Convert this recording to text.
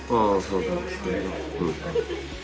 うん。